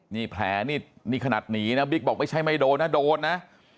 นี่แผลนี่ขนาดหนีนะบิ๊กบอกไม่ใช่ไม่โดนนะโดนนะ